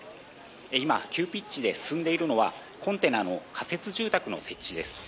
今、急ピッチで進んでいるのはコンテナの仮設住宅の設置です。